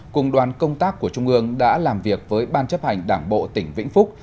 cùng đoàn công tác của trung ương đã làm việc với ban chấp hành đảng bộ tỉnh vĩnh phúc